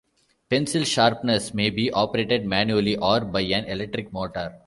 Pencil sharpeners may be operated manually or by an electric motor.